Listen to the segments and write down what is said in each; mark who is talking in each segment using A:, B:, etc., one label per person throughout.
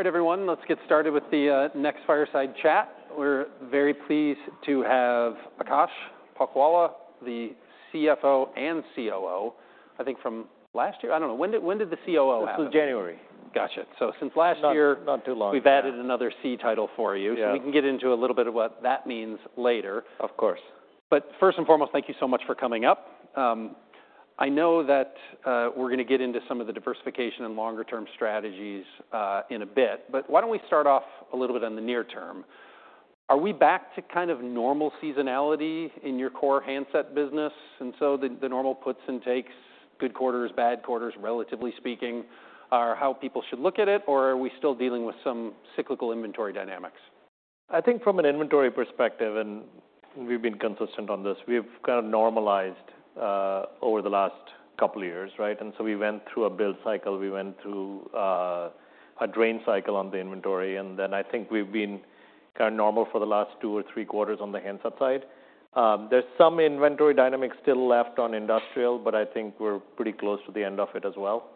A: All right, everyone, let's get started with the next fireside chat. We're very pleased to have Akash Palkhiwala, the CFO and COO, I think from last year? I don't know. When did the COO happen?
B: This was January.
A: Gotcha. So since last year-
B: Not too long ago.
A: We've added another C title for you.
B: Yeah.
A: So we can get into a little bit of what that means later.
B: Of course.
A: But first and foremost, thank you so much for coming up. I know that, we're gonna get into some of the diversification and longer term strategies, in a bit, but why don't we start off a little bit on the near term? Are we back to kind of normal seasonality in your core handset business, and so the normal puts and takes, good quarters, bad quarters, relatively speaking, are how people should look at it, or are we still dealing with some cyclical inventory dynamics?
B: I think from an inventory perspective, and we've been consistent on this, we've kind of normalized over the last couple of years, right? And so we went through a build cycle, we went through a drain cycle on the inventory, and then I think we've been kind of normal for the last two or three quarters on the handset side. There's some inventory dynamics still left on industrial, but I think we're pretty close to the end of it as well,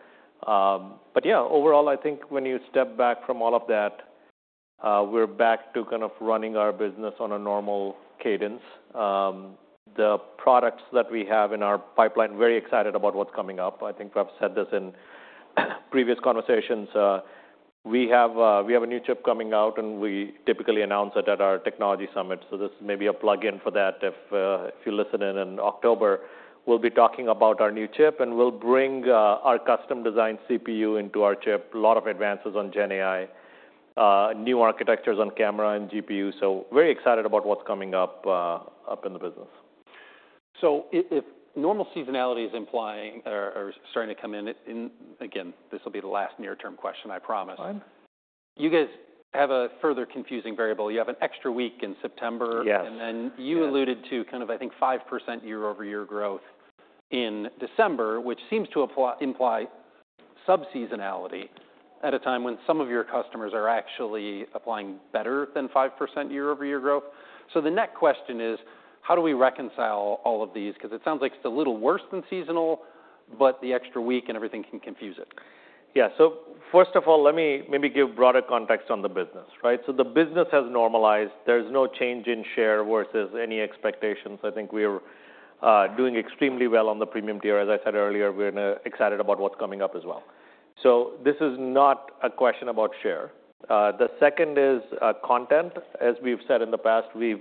B: but yeah, overall, I think when you step back from all of that, we're back to kind of running our business on a normal cadence. The products that we have in our pipeline, very excited about what's coming up. I think I've said this in previous conversations. We have a new chip coming out, and we typically announce it at our technology summit, so this may be a plug-in for that. If you listen in in October, we'll be talking about our new chip, and we'll bring our custom-designed CPU into our chip. A lot of advances on Gen AI, new architectures on camera and GPU, so very excited about what's coming up in the business.
A: So if normal seasonality is implying or starting to come in, and again, this will be the last near-term question, I promise.
B: Fine.
A: You guys have a further confusing variable. You have an extra week in September.
B: Yes.
A: Then you alluded to kind of, I think, 5% year-over-year growth in December, which seems to imply sub-seasonality at a time when some of your customers are actually applying better than 5% year-over-year growth. The next question is, how do we reconcile all of these? Because it sounds like it's a little worse than seasonal, but the extra week and everything can confuse it.
B: Yeah. So first of all, let me maybe give broader context on the business, right? So the business has normalized. There's no change in share versus any expectations. I think we're doing extremely well on the premium tier. As I said earlier, we're excited about what's coming up as well. So this is not a question about share. The second is content. As we've said in the past, we've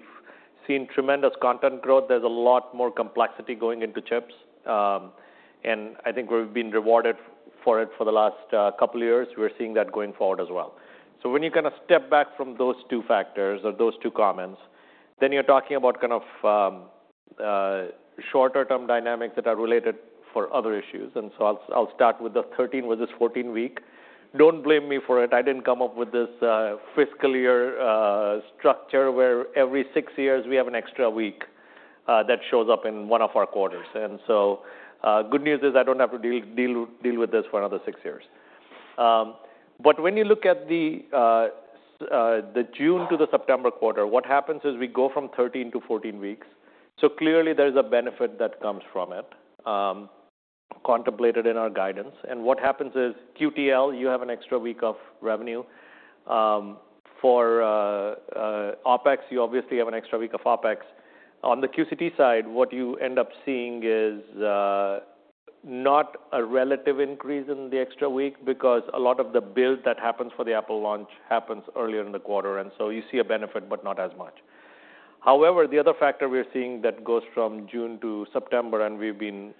B: seen tremendous content growth. There's a lot more complexity going into chips, and I think we've been rewarded for it for the last couple of years. We're seeing that going forward as well. So when you kind of step back from those two factors or those two comments, then you're talking about kind of shorter-term dynamics that are related for other issues. And so I'll start with the 13 versus 14 week. Don't blame me for it. I didn't come up with this fiscal year structure, where every six years we have an extra week that shows up in one of our quarters. And so, good news is I don't have to deal with this for another six years. But when you look at the June to the September quarter, what happens is we go from 13 to 14 weeks, so clearly there is a benefit that comes from it, contemplated in our guidance. And what happens is QTL, you have an extra week of revenue. For OpEx, you obviously have an extra week of OpEx. On the QCT side, what you end up seeing is not a relative increase in the extra week because a lot of the build that happens for the Apple launch happens earlier in the quarter, and so you see a benefit, but not as much. However, the other factor we're seeing that goes from June to September, and we've been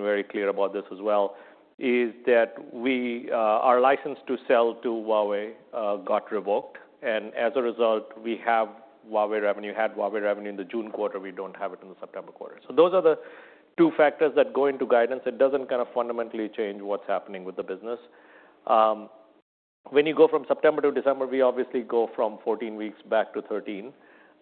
B: very clear about this as well, is that we our license to sell to Huawei got revoked, and as a result, we have Huawei revenue, had Huawei revenue in the June quarter, we don't have it in the September quarter. So those are the two factors that go into guidance. It doesn't kind of fundamentally change what's happening with the business. When you go from September to December, we obviously go from 14 weeks back to 13.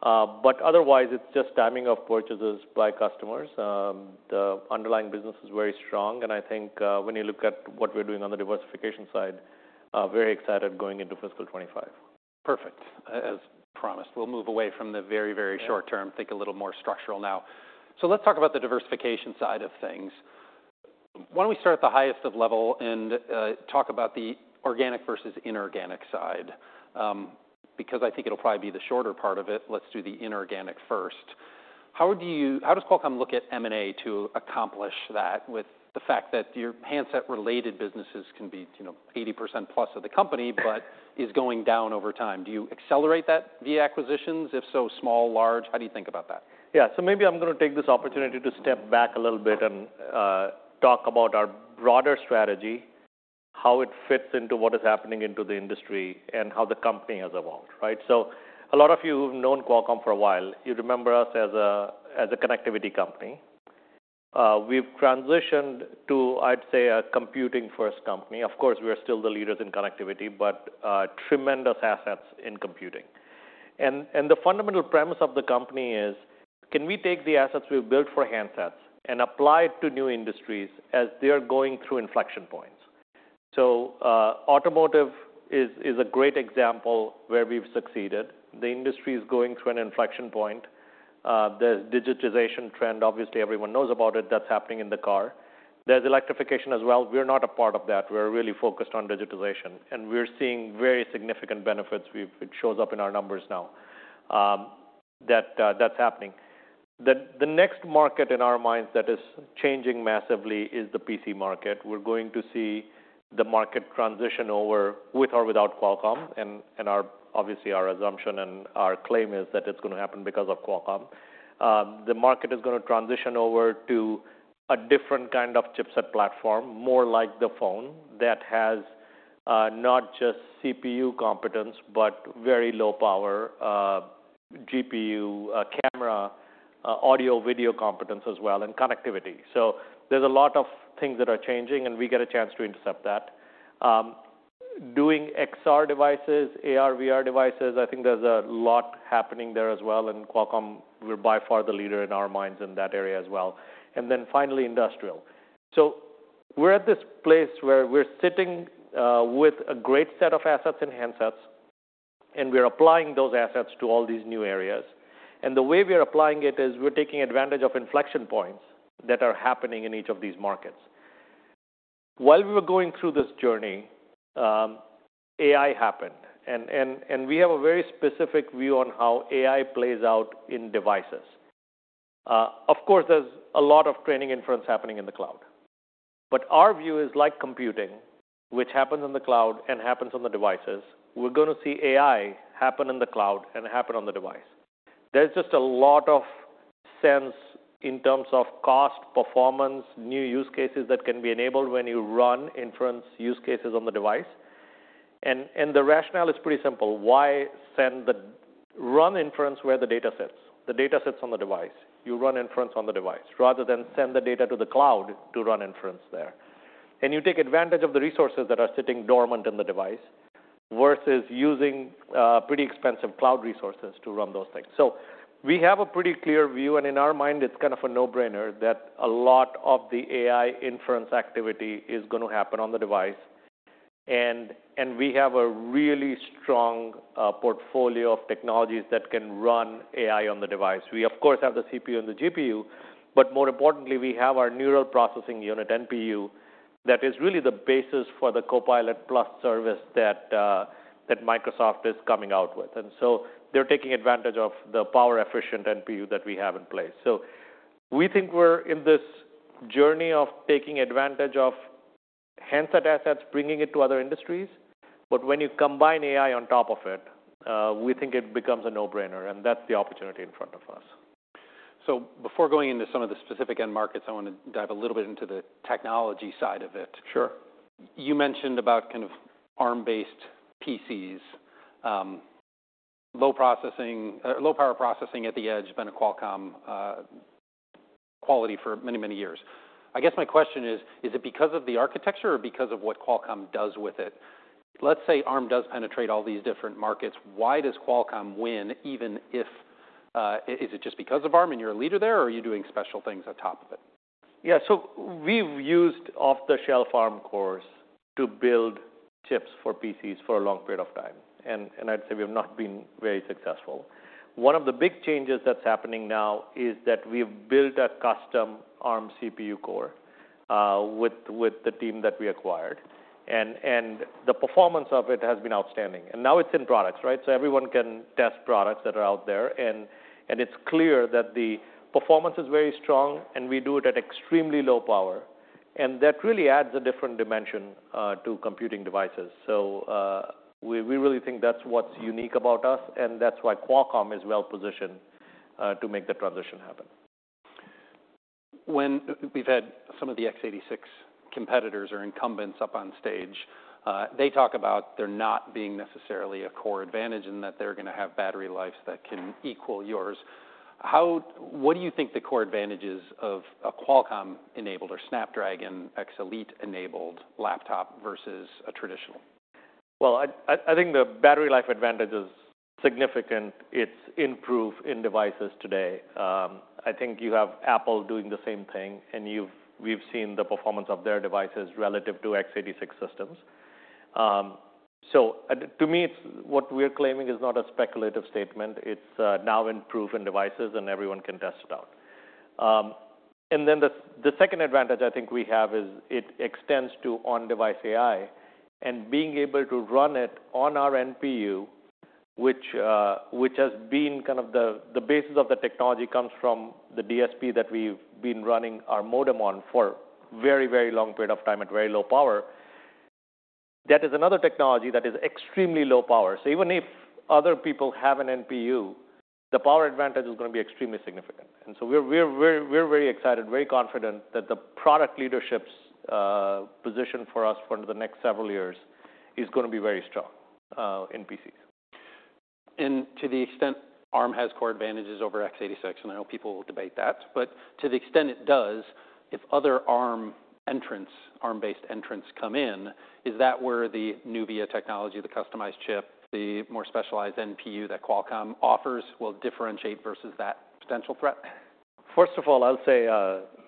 B: But otherwise, it's just timing of purchases by customers. The underlying business is very strong, and I think, when you look at what we're doing on the diversification side, very excited going into fiscal twenty-five.
A: Perfect. As promised, we'll move away from the very, very short term.
B: Yeah.
A: Think a little more structural now. So let's talk about the diversification side of things. Why don't we start at the highest of level and talk about the organic versus inorganic side? Because I think it'll probably be the shorter part of it, let's do the inorganic first. How does Qualcomm look at M&A to accomplish that with the fact that your handset-related businesses can be, you know, 80% plus of the company, but is going down over time? Do you accelerate that via acquisitions? If so, small, large, how do you think about that?
B: Yeah. So maybe I'm gonna take this opportunity to step back a little bit and talk about our broader strategy, how it fits into what is happening into the industry, and how the company has evolved, right? So a lot of you have known Qualcomm for a while. You remember us as a connectivity company. We've transitioned to, I'd say, a computing-first company. Of course, we are still the leaders in connectivity, but tremendous assets in computing. And the fundamental premise of the company is, can we take the assets we've built for handsets and apply it to new industries as they are going through inflection points? So automotive is a great example where we've succeeded. The industry is going through an inflection point. The digitization trend, obviously everyone knows about it, that's happening in the car. There's electrification as well. We are not a part of that. We're really focused on digitization, and we're seeing very significant benefits. We've. It shows up in our numbers now, that that's happening. The next market in our minds that is changing massively is the PC market. We're going to see the market transition over, with or without Qualcomm, and our obviously our assumption and our claim is that it's gonna happen because of Qualcomm. The market is gonna transition over to a different kind of chipset platform, more like the phone, that has not just CPU competence, but very low power GPU, camera, audio, video competence as well, and connectivity. So there's a lot of things that are changing, and we get a chance to intercept that. Doing XR devices, AR, VR devices, I think there's a lot happening there as well, and Qualcomm, we're by far the leader in our minds in that area as well. And then finally, industrial. So we're at this place where we're sitting with a great set of assets and handsets, and we are applying those assets to all these new areas. And the way we are applying it is we're taking advantage of inflection points that are happening in each of these markets. While we were going through this journey, AI happened, and we have a very specific view on how AI plays out in devices. Of course, there's a lot of training inference happening in the cloud. But our view is like computing, which happens in the cloud and happens on the devices, we're gonna see AI happen in the cloud and happen on the device. There's just a lot of sense in terms of cost, performance, new use cases that can be enabled when you run inference use cases on the device. And the rationale is pretty simple: Run inference where the data sits. The data sits on the device. You run inference on the device, rather than send the data to the cloud to run inference there. And you take advantage of the resources that are sitting dormant in the device versus using pretty expensive cloud resources to run those things. So we have a pretty clear view, and in our mind, it's kind of a no-brainer, that a lot of the AI inference activity is gonna happen on the device. And we have a really strong portfolio of technologies that can run AI on the device. We, of course, have the CPU and the GPU, but more importantly, we have our neural processing unit, NPU, that is really the basis for the Copilot+ service that Microsoft is coming out with. And so they're taking advantage of the power-efficient NPU that we have in place. So we think we're in this journey of taking advantage of handset assets, bringing it to other industries. But when you combine AI on top of it, we think it becomes a no-brainer, and that's the opportunity in front of us.
A: Before going into some of the specific end markets, I want to dive a little bit into the technology side of it.
B: Sure.
A: You mentioned about kind of Arm-based PCs, low-power processing at the edge, been a Qualcomm quality for many, many years. I guess my question is: Is it because of the architecture or because of what Qualcomm does with it? Let's say Arm does penetrate all these different markets, why does Qualcomm win, even if... Is it just because of Arm and you're a leader there, or are you doing special things on top of it?
B: Yeah, so we've used off-the-shelf Arm cores to build chips for PCs for a long period of time, and I'd say we have not been very successful. One of the big changes that's happening now is that we've built a custom Arm CPU core with the team that we acquired, and the performance of it has been outstanding, and now it's in products, right, so everyone can test products that are out there, and it's clear that the performance is very strong, and we do it at extremely low power, and that really adds a different dimension to computing devices, so we really think that's what's unique about us, and that's why Qualcomm is well positioned to make the transition happen.
A: When we've had some of the x86 competitors or incumbents up on stage, they talk about there not being necessarily a core advantage and that they're gonna have battery lives that can equal yours. What do you think the core advantages of a Qualcomm-enabled or Snapdragon X Elite-enabled laptop versus a traditional?
B: I think the battery life advantage is significant. It's improved in devices today. I think you have Apple doing the same thing, and we've seen the performance of their devices relative to x86 systems. So to me, what we're claiming is not a speculative statement. It's now improved in devices, and everyone can test it out. And then the second advantage I think we have is it extends to on-device AI. Being able to run it on our NPU, which has been kind of the basis of the technology comes from the DSP that we've been running our modem on for very, very long period of time at very low power. That is another technology that is extremely low power. So even if other people have an NPU, the power advantage is gonna be extremely significant. And so we're very excited, very confident that the product leadership's position for us for the next several years is gonna be very strong in PCs.
A: And to the extent Arm has core advantages over x86, and I know people will debate that, but to the extent it does, if other Arm entrants, Arm-based entrants come in, is that where the Nuvia technology, the customized chip, the more specialized NPU that Qualcomm offers, will differentiate versus that potential threat?
B: ...First of all, I'll say,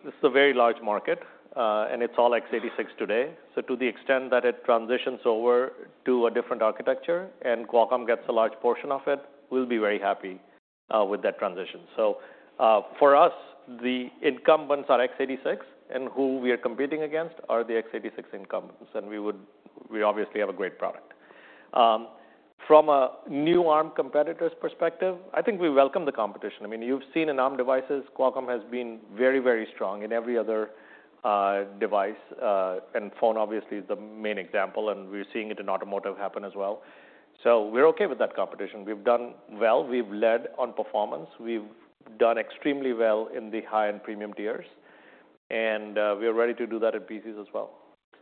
B: this is a very large market, and it's all x86 today. So to the extent that it transitions over to a different architecture and Qualcomm gets a large portion of it, we'll be very happy with that transition. So, for us, the incumbents are x86, and who we are competing against are the x86 incumbents, and we obviously have a great product. From a new ARM competitor's perspective, I think we welcome the competition. I mean, you've seen in ARM devices, Qualcomm has been very, very strong in every other device, and phone obviously is the main example, and we're seeing it in automotive happen as well. So we're okay with that competition. We've done well. We've led on performance. We've done extremely well in the high-end premium tiers, and we are ready to do that at PCs as well.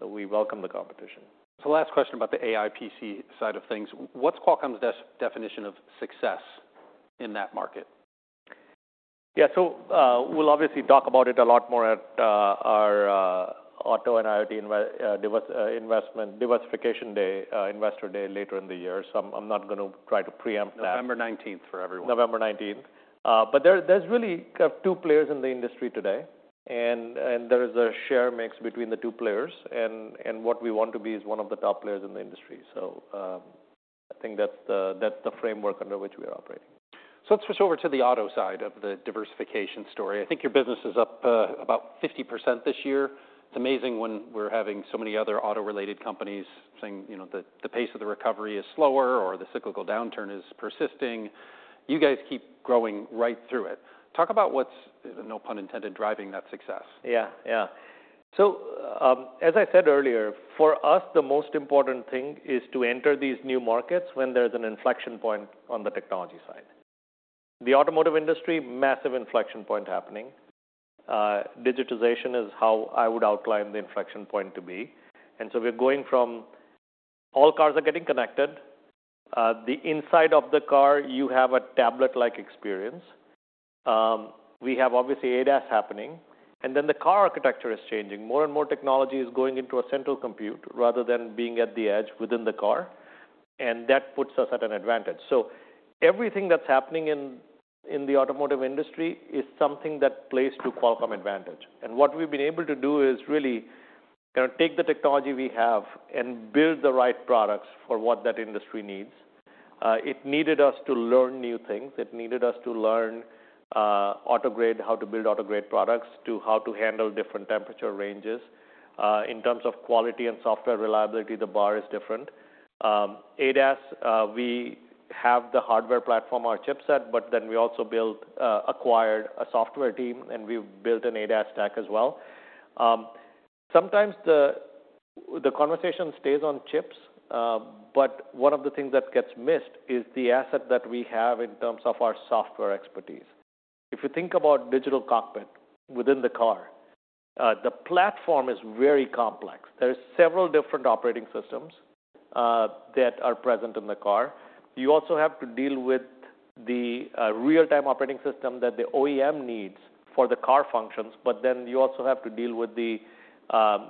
B: So we welcome the competition.
A: So last question about the AI PC side of things. What's Qualcomm's definition of success in that market?
B: Yeah, so, we'll obviously talk about it a lot more at our Auto and IoT Investor Day later in the year. So I'm not gonna try to preempt that.
A: November 19th for everyone.
B: November 19th, but there, there's really kind of two players in the industry today, and there is a share mix between the two players, and what we want to be is one of the top players in the industry. So, I think that's the framework under which we are operating.
A: Let's switch over to the auto side of the diversification story. I think your business is up about 50% this year. It's amazing when we're having so many other auto-related companies saying, you know, the pace of the recovery is slower or the cyclical downturn is persisting. You guys keep growing right through it. Talk about what's, no pun intended, driving that success.
B: Yeah. Yeah. So, as I said earlier, for us, the most important thing is to enter these new markets when there's an inflection point on the technology side. The automotive industry, massive inflection point happening. Digitization is how I would outline the inflection point to be. And so we're going from all cars are getting connected, the inside of the car, you have a tablet-like experience, we have obviously ADAS happening, and then the car architecture is changing. More and more technology is going into a central compute rather than being at the edge within the car, and that puts us at an advantage. So everything that's happening in the automotive industry is something that plays to Qualcomm advantage. And what we've been able to do is really kind of take the technology we have and build the right products for what that industry needs. It needed us to learn new things. It needed us to learn auto-grade, how to build auto-grade products, to how to handle different temperature ranges. In terms of quality and software reliability, the bar is different. ADAS, we have the hardware platform, our chipset, but then we also built, acquired a software team, and we've built an ADAS stack as well. Sometimes the conversation stays on chips, but one of the things that gets missed is the asset that we have in terms of our software expertise. If you think about Digital Cockpit within the car, the platform is very complex. There are several different operating systems that are present in the car. You also have to deal with the real-time operating system that the OEM needs for the car functions, but then you also have to deal with the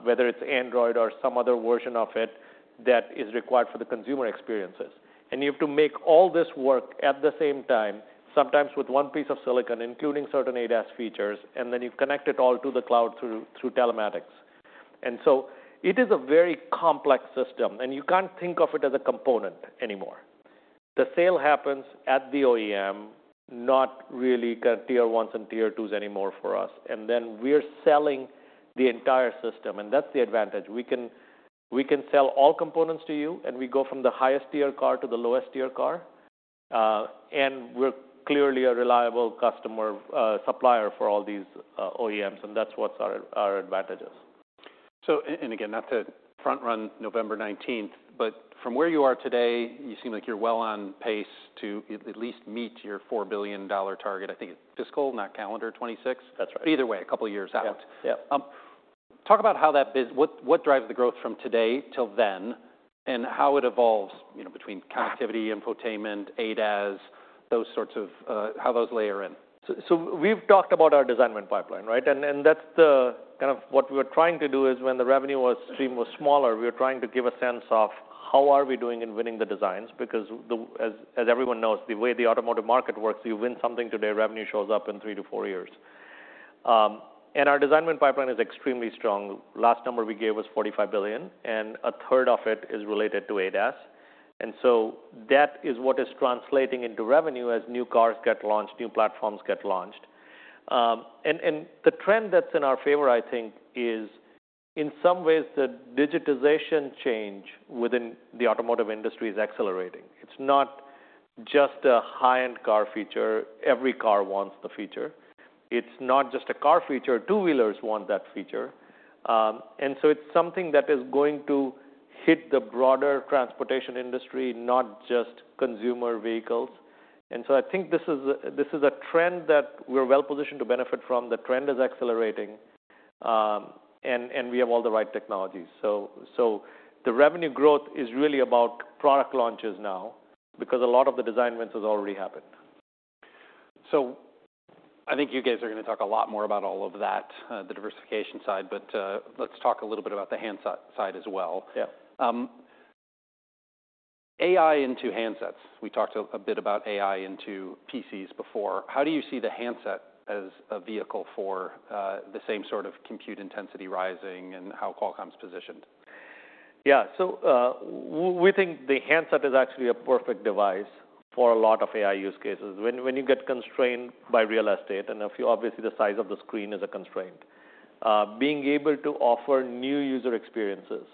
B: whether it's Android or some other version of it that is required for the consumer experiences. And you have to make all this work at the same time, sometimes with one piece of silicon, including certain ADAS features, and then you connect it all to the cloud through telematics. And so it is a very complex system, and you can't think of it as a component anymore. The sale happens at the OEM, not really kind of tier ones and tier twos anymore for us, and then we are selling the entire system, and that's the advantage. We can sell all components to you, and we go from the highest tier car to the lowest tier car, and we're clearly a reliable customer supplier for all these OEMs, and that's what our advantage is.
A: Again, not to front-run November nineteenth, but from where you are today, you seem like you're well on pace to at least meet your $4 billion target. I think it's fiscal, not calendar, 2026?
B: That's right.
A: Either way, a couple of years out.
B: Yep. Yep.
A: Talk about how that business—what drives the growth from today till then, and how it evolves, you know, between connectivity, infotainment, ADAS, those sorts of, how those layer in.
B: We've talked about our design win pipeline, right? And that's the kind of what we were trying to do is, when the revenue stream was smaller, we were trying to give a sense of how are we doing in winning the designs, because as everyone knows, the way the automotive market works, you win something today, revenue shows up in three to four years. And our design win pipeline is extremely strong. Last number we gave was $45 billion, and a third of it is related to ADAS. And so that is what is translating into revenue as new cars get launched, new platforms get launched. And the trend that's in our favor, I think, is in some ways the digitization change within the automotive industry is accelerating. It's not just a high-end car feature. Every car wants the feature. It's not just a car feature, two-wheelers want that feature, and so it's something that is going to hit the broader transportation industry, not just consumer vehicles, and so I think this is a trend that we're well positioned to benefit from. The trend is accelerating, and we have all the right technologies, so the revenue growth is really about product launches now, because a lot of the design wins has already happened.
A: So I think you guys are gonna talk a lot more about all of that, the diversification side, but, let's talk a little bit about the handset side as well.
B: Yeah....
A: AI into handsets. We talked a bit about AI into PCs before. How do you see the handset as a vehicle for the same sort of compute intensity rising and how Qualcomm's positioned?
B: Yeah, so, we think the handset is actually a perfect device for a lot of AI use cases. When you get constrained by real estate, and obviously, the size of the screen is a constraint, being able to offer new user experiences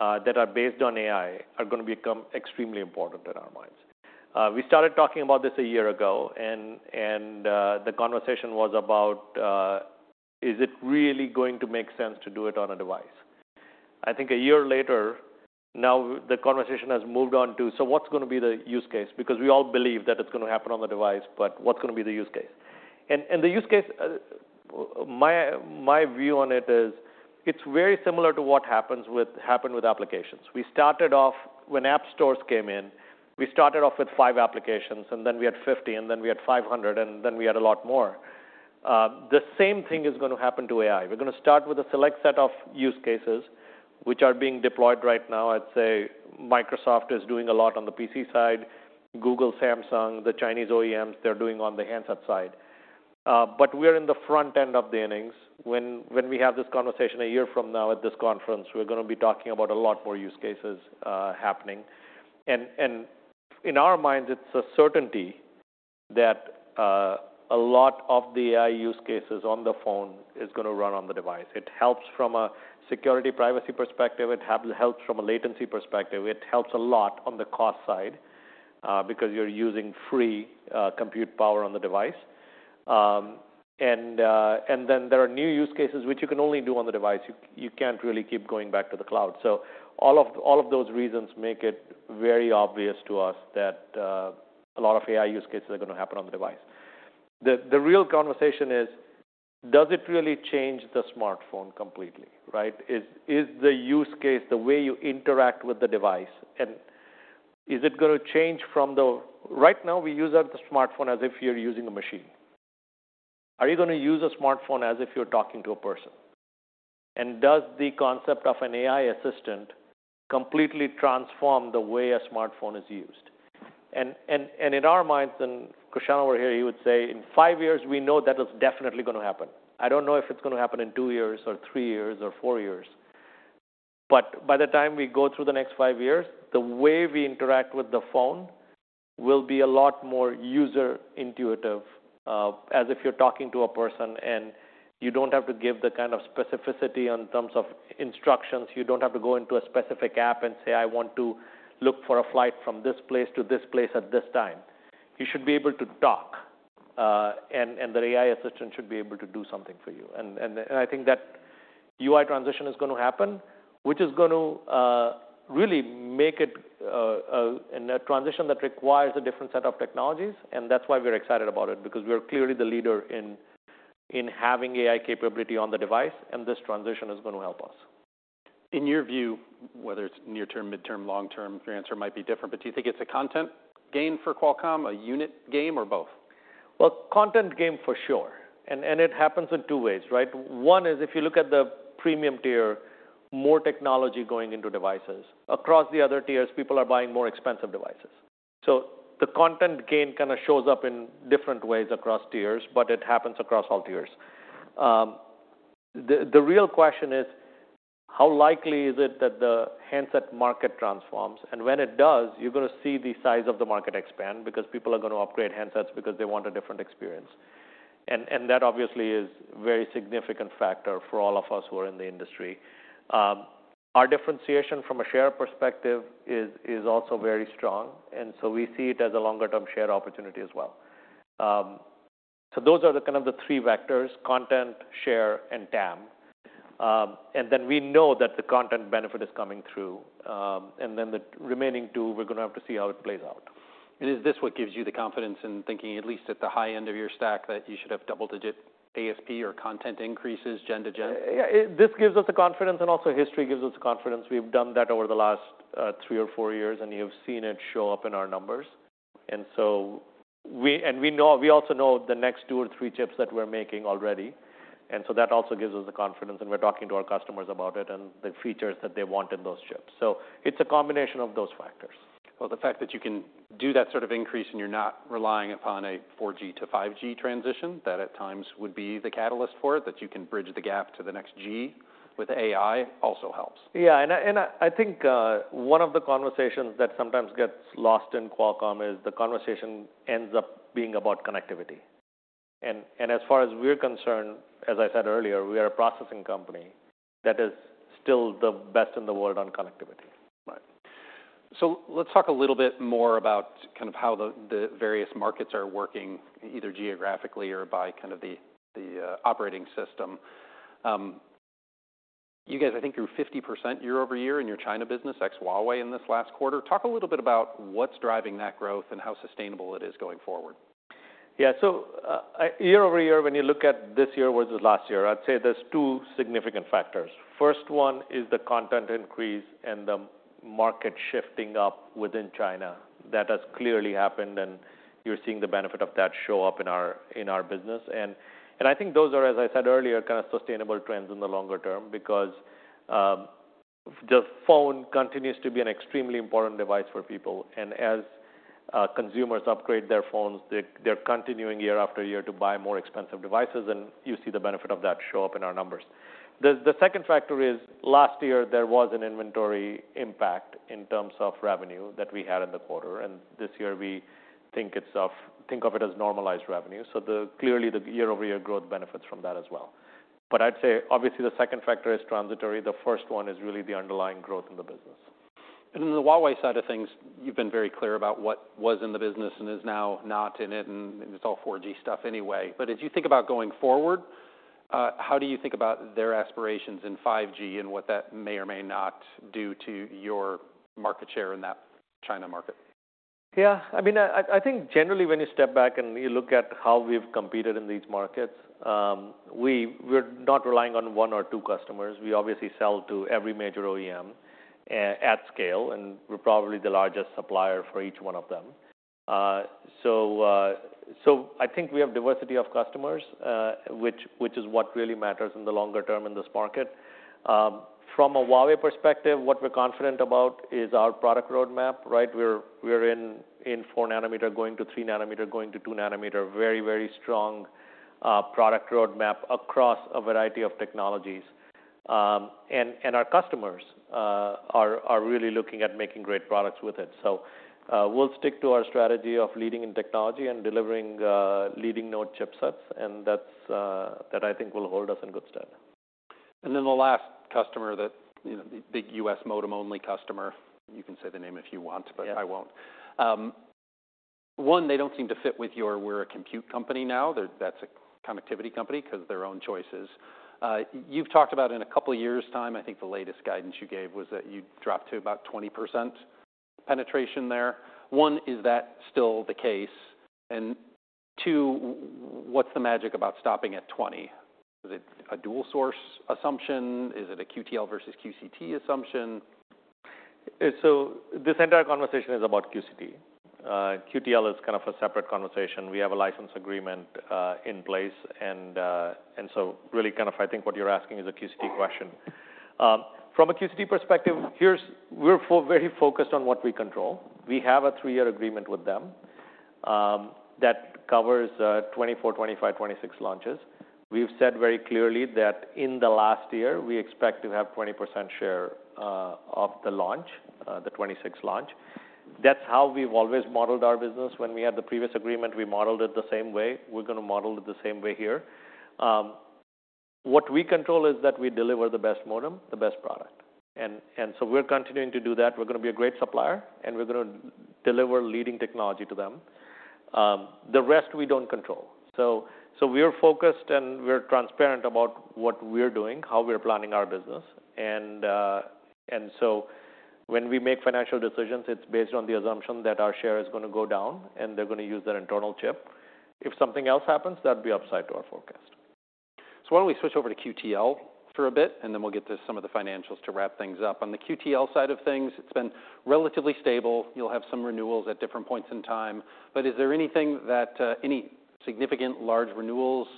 B: that are based on AI are gonna become extremely important in our minds. We started talking about this a year ago, and the conversation was about: Is it really going to make sense to do it on a device? I think a year later, now the conversation has moved on to: So what's gonna be the use case? Because we all believe that it's gonna happen on the device, but what's gonna be the use case? The use case, my view on it is it's very similar to what happened with applications. We started off. When app stores came in, we started off with five applications, and then we had fifty, and then we had five hundred, and then we had a lot more. The same thing is gonna happen to AI. We're gonna start with a select set of use cases, which are being deployed right now. I'd say Microsoft is doing a lot on the PC side. Google, Samsung, the Chinese OEMs, they're doing on the handset side. But we're in the front end of the innings. When we have this conversation a year from now at this conference, we're gonna be talking about a lot more use cases happening. And in our minds, it's a certainty that a lot of the AI use cases on the phone is gonna run on the device. It helps from a security, privacy perspective. It helps from a latency perspective. It helps a lot on the cost side, because you're using free compute power on the device. And then there are new use cases which you can only do on the device. You can't really keep going back to the cloud. So all of those reasons make it very obvious to us that a lot of AI use cases are gonna happen on the device. The real conversation is: Does it really change the smartphone completely, right? Is the use case the way you interact with the device, and is it gonna change from the... Right now, we use our smartphone as if you're using a machine. Are you gonna use a smartphone as if you're talking to a person? Does the concept of an AI assistant completely transform the way a smartphone is used? In our minds, and Cristiano over here, he would say, in five years, we know that is definitely gonna happen. I don't know if it's gonna happen in two years or three years or four years, but by the time we go through the next five years, the way we interact with the phone will be a lot more user-intuitive, as if you're talking to a person, and you don't have to give the kind of specificity in terms of instructions. You don't have to go into a specific app and say, "I want to look for a flight from this place to this place at this time." You should be able to talk, and the AI assistant should be able to do something for you. I think that UI transition is gonna happen, which is gonna really make it, and a transition that requires a different set of technologies, and that's why we're excited about it. Because we are clearly the leader in having AI capability on the device, and this transition is gonna help us.
A: In your view, whether it's near term, midterm, long term, your answer might be different, but do you think it's a content gain for Qualcomm, a unit gain, or both?
B: Content gain for sure, and it happens in two ways, right? One is if you look at the premium tier, more technology going into devices. Across the other tiers, people are buying more expensive devices. So the content gain kind of shows up in different ways across tiers, but it happens across all tiers. The real question is: How likely is it that the handset market transforms? And that obviously is a very significant factor for all of us who are in the industry. Our differentiation from a share perspective is also very strong, and so we see it as a longer-term share opportunity as well. So those are kind of the three vectors: content, share, and TAM. And then we know that the content benefit is coming through. And then the remaining two, we're gonna have to see how it plays out.
A: Is this what gives you the confidence in thinking, at least at the high end of your stack, that you should have double-digit ASP or content increases gen to gen?
B: This gives us the confidence, and also history gives us confidence. We've done that over the last three or four years, and you've seen it show up in our numbers. And so we also know the next two or three chips that we're making already, and so that also gives us the confidence, and we're talking to our customers about it and the features that they want in those chips. So it's a combination of those factors.
A: The fact that you can do that sort of increase, and you're not relying upon a 4G to 5G transition, that at times would be the catalyst for it, that you can bridge the gap to the next G with AI also helps.
B: Yeah, and I think one of the conversations that sometimes gets lost in Qualcomm is the conversation ends up being about connectivity. And as far as we're concerned, as I said earlier, we are a processing company that is still the best in the world on connectivity.
A: Right. So let's talk a little bit more about kind of how the various markets are working, either geographically or by kind of the operating system. You guys, I think, you're 50% year-over-year in your China business, ex-Huawei, in this last quarter. Talk a little bit about what's driving that growth and how sustainable it is going forward.
B: Yeah. So, year-over-year, when you look at this year versus last year, I'd say there's two significant factors. First one is the content increase and the market shifting up within China. That has clearly happened, and you're seeing the benefit of that show up in our business, and I think those are, as I said earlier, kind of sustainable trends in the longer term because the phone continues to be an extremely important device for people, and as consumers upgrade their phones, they, they're continuing year after year to buy more expensive devices, and you see the benefit of that show up in our numbers. The second factor is, last year there was an inventory impact in terms of revenue that we had in the quarter, and this year we think it's think of it as normalized revenue, so clearly, the year-over-year growth benefits from that as well, but I'd say, obviously, the second factor is transitory. The first one is really the underlying growth in the business.
A: And in the Huawei side of things, you've been very clear about what was in the business and is now not in it, and it's all 4G stuff anyway. But as you think about going forward, how do you think about their aspirations in 5G and what that may or may not do to your market share in that China market?
B: Yeah. I mean, I think generally when you step back and you look at how we've competed in these markets, we're not relying on one or two customers. We obviously sell to every major OEM at scale, and we're probably the largest supplier for each one of them. So I think we have diversity of customers, which is what really matters in the longer term in this market. From a Huawei perspective, what we're confident about is our product roadmap, right? We're in four nanometer, going to three nanometer, going to two nanometer. Very, very strong product roadmap across a variety of technologies. And our customers are really looking at making great products with it. We'll stick to our strategy of leading in technology and delivering leading-node chipsets, and that's, I think, will hold us in good stead.
A: And then the last customer that, you know, the big U.S. modem-only customer, you can say the name if you want-
B: Yeah...
A: but I won't. One, they don't seem to fit with your "we're a compute company now," they're that's a connectivity company, 'cause their own choices. You've talked about in a couple of years' time, I think the latest guidance you gave was that you'd drop to about 20% penetration there. One, is that still the case? And two, what's the magic about stopping at 20? Is it a dual source assumption? Is it a QTL versus QCT assumption?
B: So this entire conversation is about QCT. QTL is kind of a separate conversation. We have a license agreement in place, and and so really kind of, I think what you're asking is a QCT question. From a QCT perspective, we're very focused on what we control. We have a three-year agreement with them that covers 2024, 2025, 2026 launches. We've said very clearly that in the last year, we expect to have 20% share of the launch, the 2026 launch. That's how we've always modeled our business. When we had the previous agreement, we modeled it the same way. We're gonna model it the same way here. What we control is that we deliver the best modem, the best product, and so we're continuing to do that. We're gonna be a great supplier, and we're gonna deliver leading technology to them. The rest we don't control. So we are focused and we're transparent about what we're doing, how we're planning our business, and so when we make financial decisions, it's based on the assumption that our share is gonna go down, and they're gonna use their internal chip. If something else happens, that'd be upside to our forecast.
A: So why don't we switch over to QTL for a bit, and then we'll get to some of the financials to wrap things up. On the QTL side of things, it's been relatively stable. You'll have some renewals at different points in time, but is there anything that, any significant large renewals,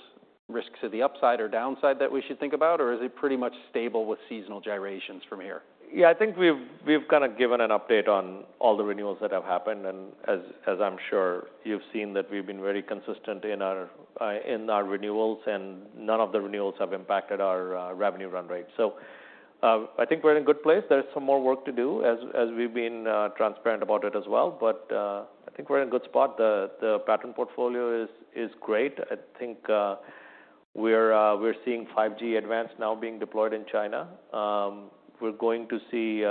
A: risks to the upside or downside that we should think about, or is it pretty much stable with seasonal gyrations from here?
B: Yeah, I think we've kind of given an update on all the renewals that have happened, and as I'm sure you've seen, that we've been very consistent in our renewals, and none of the renewals have impacted our revenue run rate. So, I think we're in a good place. There is some more work to do, as we've been transparent about it as well, but I think we're in a good spot. The patent portfolio is great. I think we're seeing 5G Advanced now being deployed in China. We're going to see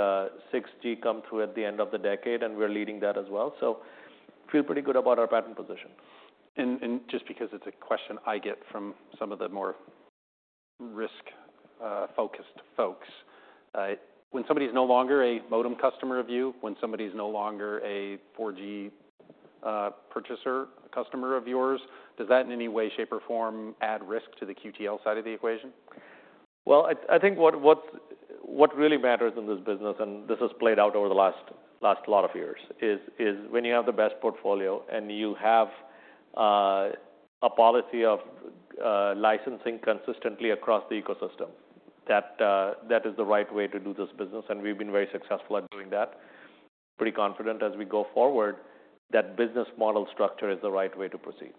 B: 6G come through at the end of the decade, and we're leading that as well. So feel pretty good about our patent position.
A: Just because it's a question I get from some of the more risk focused folks, when somebody is no longer a modem customer of you, when somebody is no longer a 4G purchaser, a customer of yours, does that in any way, shape, or form add risk to the QTL side of the equation?
B: I think what really matters in this business, and this has played out over the last lot of years, is when you have the best portfolio and you have a policy of licensing consistently across the ecosystem, that that is the right way to do this business, and we've been very successful at doing that. Pretty confident as we go forward, that business model structure is the right way to proceed.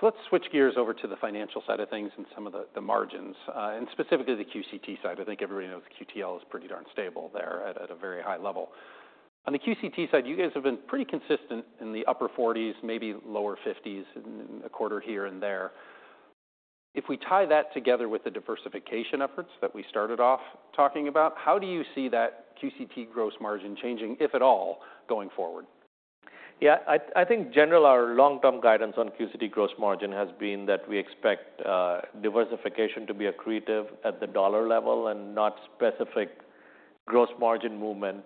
A: So let's switch gears over to the financial side of things and some of the margins and specifically the QCT side. I think everybody knows QTL is pretty darn stable there at a very high level. On the QCT side, you guys have been pretty consistent in the upper 40s%, maybe lower 50s%, in a quarter here and there. If we tie that together with the diversification efforts that we started off talking about, how do you see that QCT gross margin changing, if at all, going forward?
B: Yeah, I think generally, our long-term guidance on QCT gross margin has been that we expect diversification to be accretive at the dollar level and not specific gross margin movement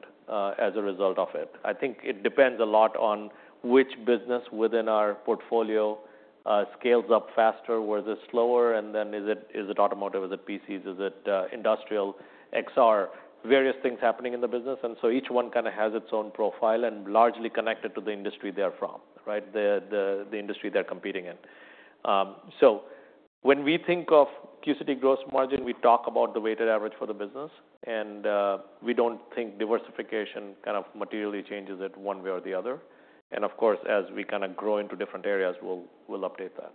B: as a result of it. I think it depends a lot on which business within our portfolio scales up faster, whether it's slower, and then is it automotive, is it PCs, is it industrial, XR? Various things happening in the business, and so each one kind of has its own profile and largely connected to the industry they are from, right? The industry they're competing in. When we think of QCT gross margin, we talk about the weighted average for the business, and we don't think diversification kind of materially changes it one way or the other. Of course, as we kinda grow into different areas, we'll, we'll update that.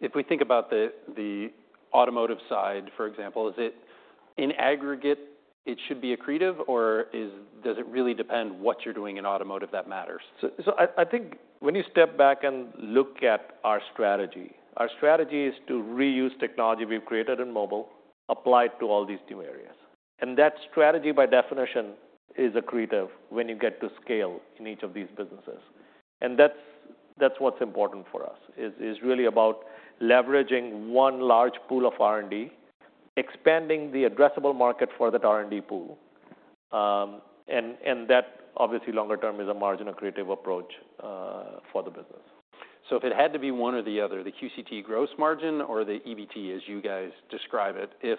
A: If we think about the automotive side, for example, is it in aggregate, it should be accretive, or does it really depend what you're doing in automotive that matters?
B: So I think when you step back and look at our strategy, our strategy is to reuse technology we've created in mobile, apply it to all these new areas. And that strategy, by definition, is accretive when you get to scale in each of these businesses. And that's what's important for us, is really about leveraging one large pool of R&D, expanding the addressable market for that R&D pool. And that, obviously, longer term, is a margin accretive approach, for the business.
A: So if it had to be one or the other, the QCT gross margin or the EBT, as you guys describe it, if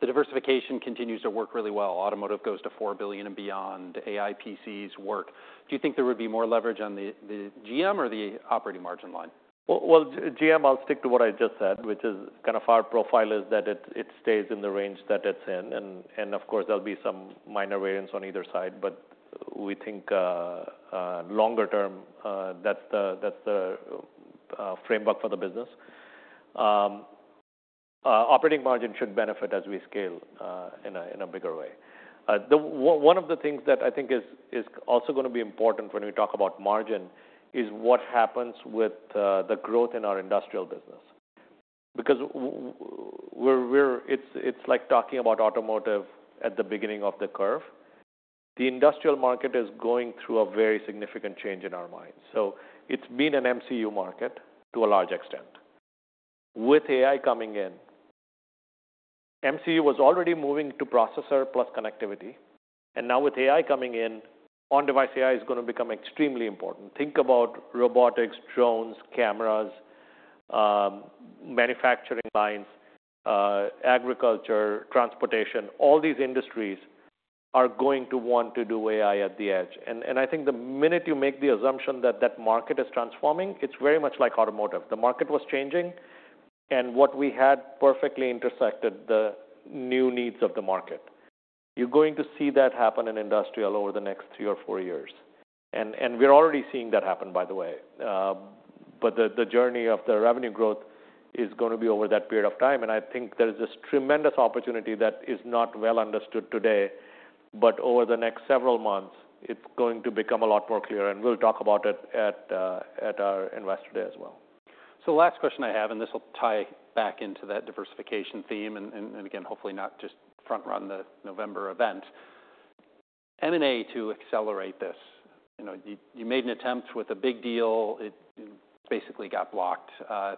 A: the diversification continues to work really well, automotive goes to $4 billion and beyond, AI PCs work, do you think there would be more leverage on the GM or the operating margin line?
B: Well, again, I'll stick to what I just said, which is kind of our profile is that it stays in the range that it's in. And of course, there'll be some minor variance on either side, but we think longer term, that's the framework for the business. Operating margin should benefit as we scale in a bigger way. One of the things that I think is also gonna be important when we talk about margin is what happens with the growth in our industrial business. Because we're, it's like talking about automotive at the beginning of the curve. The industrial market is going through a very significant change in our minds, so it's been an MCU market to a large extent. With AI coming in, MCU was already moving to processor plus connectivity, and now with AI coming in, on-device AI is gonna become extremely important. Think about robotics, drones, cameras, manufacturing lines, agriculture, transportation. All these industries are going to want to do AI at the edge, and I think the minute you make the assumption that that market is transforming, it's very much like automotive. The market was changing, and what we had perfectly intersected the new needs of the market. You're going to see that happen in industrial over the next three or four years, and we're already seeing that happen, by the way. But the journey of the revenue growth is gonna be over that period of time, and I think there is this tremendous opportunity that is not well understood today, but over the next several months, it's going to become a lot more clear, and we'll talk about it at our Investor Day as well.
A: So last question I have, and this will tie back into that diversification theme, and again, hopefully not just front run the November event. M&A to accelerate this, you know, you made an attempt with a big deal. It basically got blocked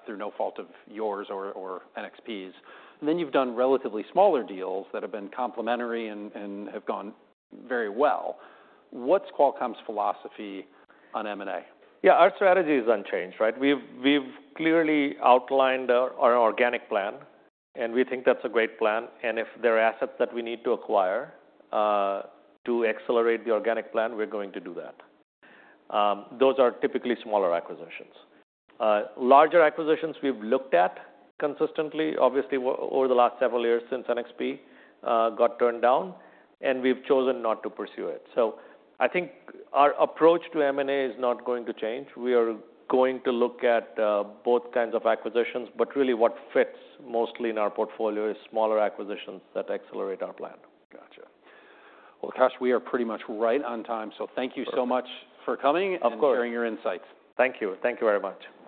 A: through no fault of yours or NXP's. And then you've done relatively smaller deals that have been complementary and have gone very well. What's Qualcomm's philosophy on M&A?
B: Yeah, our strategy is unchanged, right? We've clearly outlined our organic plan, and we think that's a great plan, and if there are assets that we need to acquire to accelerate the organic plan, we're going to do that. Those are typically smaller acquisitions. Larger acquisitions, we've looked at consistently, obviously, over the last several years since NXP got turned down, and we've chosen not to pursue it. So I think our approach to M&A is not going to change. We are going to look at both kinds of acquisitions, but really what fits mostly in our portfolio is smaller acquisitions that accelerate our plan.
A: Gotcha. Well, Kash, we are pretty much right on time, so thank you so much.
B: Perfect.
A: -for coming-
B: Of course.
A: and sharing your insights.
B: Thank you. Thank you very much.